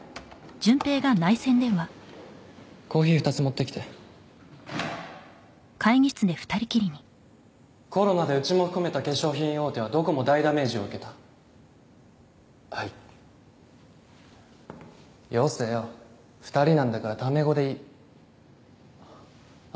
コーヒー２つ持ってきてコロナでうちも含めた化粧品大手はどこも大ダメージを受けたはいよせよ２人なんだからタメ語でいいあ